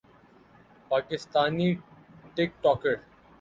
Pakistani ٹک talker